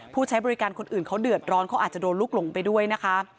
ผู้ใช้บริการคนอื่นเขาเดือดร้อนเขาอาจจะโดนลูกหลงไปด้วยนะคะ